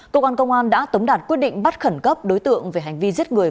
công an công an đã tấm đạt quyết định bắt khẩn cấp đối tượng về hành vi giết người